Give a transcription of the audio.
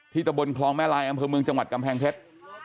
ตะบนคลองแม่ลายอำเภอเมืองจังหวัดกำแพงเพชร